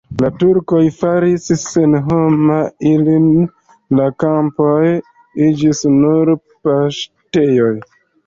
La turkoj faris senhoma ilin, la kampoj iĝis nur paŝtejoj.